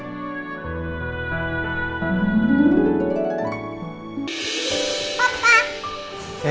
mungkin sebaiknya saya terima aja tawaran jennifer